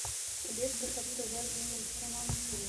چي بیرته پر توبه نه سم پښېمانه که راځې